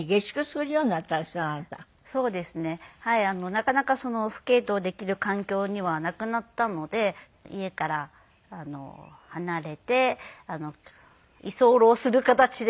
なかなかスケートをできる環境にはなくなったので家から離れて居候する形で。